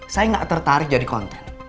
saya nggak tertarik jadi konten